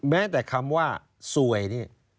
แม้แต่คำว่าสวยนี่